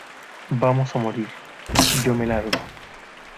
Vamos a morir. Yo me largo .